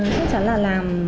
thật ra là